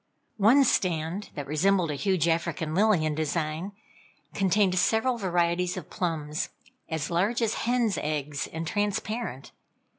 One stand, that resembled a huge African lily in design, contained several varieties of plums, as large as hen's eggs, and transparent.